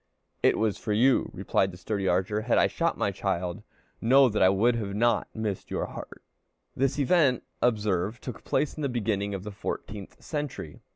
"It was for you," replied the sturdy archer. "Had I shot my child, know that it would not have missed your heart." This event, observe, took place in the beginning of the fourteenth century.